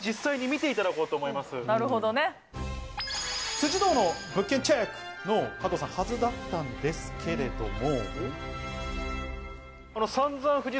辻堂の物件チェック！のはずだったんですけれども。